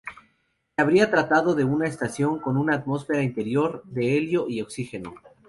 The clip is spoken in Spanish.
Se habría tratado de una estación con una atmósfera interior de helio y oxígeno.